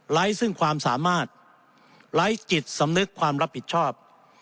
ซึ่งความสามารถไร้จิตสำนึกความรับผิดชอบ